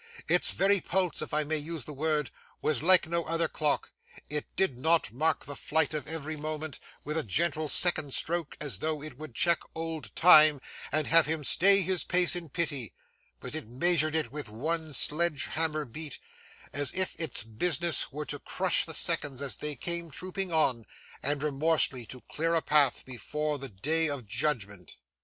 Its very pulse, if I may use the word, was like no other clock. It did not mark the flight of every moment with a gentle second stroke, as though it would check old Time, and have him stay his pace in pity, but measured it with one sledge hammer beat, as if its business were to crush the seconds as they came trooping on, and remorselessly to clear a path before the Day of Judgment.